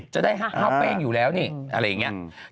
จะได้ข้าวเป้งอยู่แล้วนี่อะไรอย่างนี้